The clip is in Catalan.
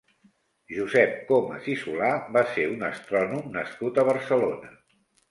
Josep Comas i Solà va ser un astrònom nascut a Barcelona.